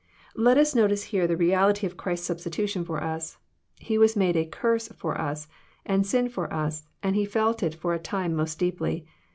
Let us notice here the reality of Christ's substitution for us. He was made a curse " for us, and sin for us, and He felt it for a time most deeply.